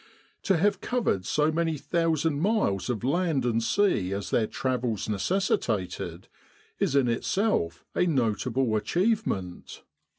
To have covered so many thousand miles of land and sea as their travels neces sitated, is in itself a notable achievement.